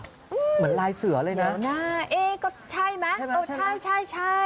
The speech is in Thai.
เหมือนลายเสือเลยนะ